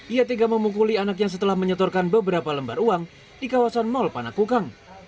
ia tega memukuli anaknya setelah menyetorkan beberapa lembar uang di kawasan mal panakukang